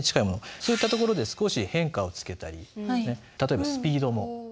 そういったところで少し変化をつけたり例えばスピードも。